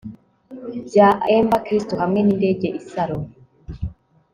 Bya amber kristu hamwe nindege isaro